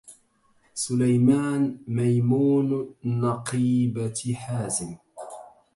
سليمان ميمون النقيبة حازم